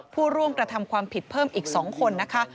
ผู้ร่วมกระทำความผิดเพิ่มอีก๒คนนะคะ